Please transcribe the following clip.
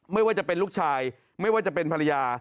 ไม่ว่าจะเป็นลูกชายไม่ว่าจะเป็นภรรยา